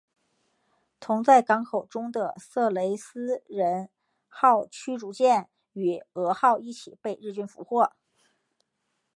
同在港口中的色雷斯人号驱逐舰与蛾号一起被日军俘获。